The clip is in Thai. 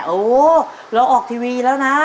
โอ้เราออกทีวีแล้วนะ